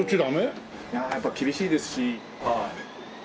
いややっぱ厳しいですし。